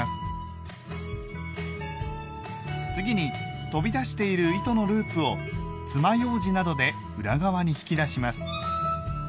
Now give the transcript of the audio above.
次に飛び出している糸のループをつまようじなどで裏側に引き出します。